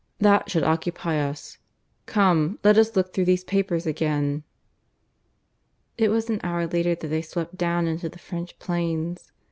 That should occupy us. Come, let us look through these papers again." It was an hour later that they swept down into the French plains.